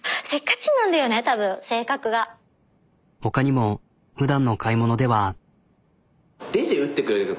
他にもふだんの買い物では。